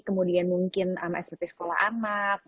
kemudian mungkin smp sekolah anak